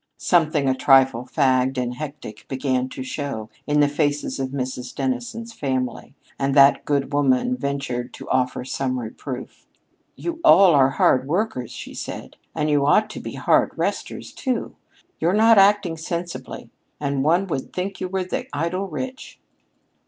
Something a trifle fagged and hectic began to show in the faces of Mrs. Dennison's family, and that good woman ventured to offer some reproof. "You all are hard workers," she said, "and you ought to be hard resters, too. You're not acting sensibly. Any one would think you were the idle rich."